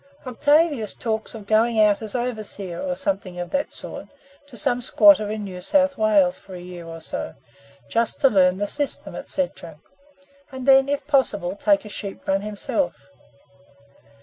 "Octavius talks of going out as overseer, or something of that sort, to some squatter in New South Wales for a year or so, just to learn the system, &c., and then, if possible, take a sheep run himself.